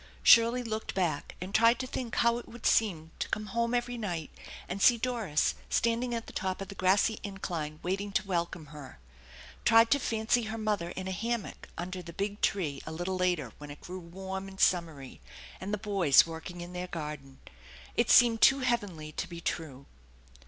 Shirley looked back, and tried to think how it would seem to come home every night and see Doris standing at the top of the grassy incline waiting to welcome her; tried to fancy her mother in a hammock under the big tree a little later when it grew warm and summery, and the boys working in their garden. It seemed too heavenly to be true.